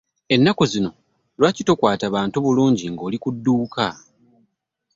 Ennaku zino lwaki tokwaata bantu bulungi nga oli ku dduuka?